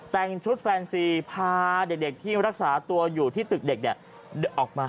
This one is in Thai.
แต่งชุดแฟนซีพาเด็กที่รักษาตัวอยู่ที่ตึกเด็กออกมา